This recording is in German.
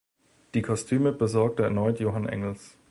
Die Kostüme besorgte erneut Johan Engels.